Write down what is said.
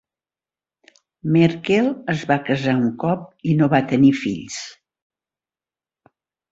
Merkel es va casar un cop i no va tenir fills.